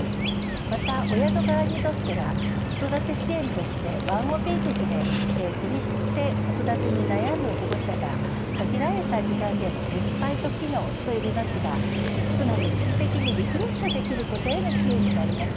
また親の側にとっては子育て支援としてワンオペ育児で孤立して子育てに悩む保護者が限られた時間でもレスパイト機能と呼びますがつまり一時的にリフレッシュできることへの支援になります。